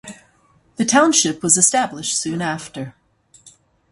The township was established soon after.